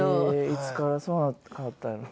いつからそんな変わったんやろな。